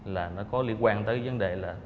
là nó có liên quan tới vấn đề là